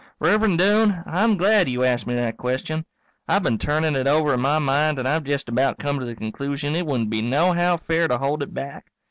_ Rev'rend Doane, I'm glad you asked me that question. I've been turnin' it over in my mind and I've jest about come to the conclusion it wouldn't be nohow fair to hold it back.